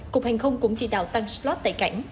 cục hàng không cũng chỉ đạo tăng slot tại cảng